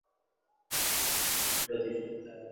হ্যাঁ, প্রতি সপ্তাহান্তে।